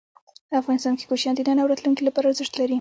افغانستان کې کوچیان د نن او راتلونکي لپاره ارزښت لري.